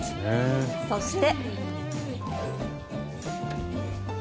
そして。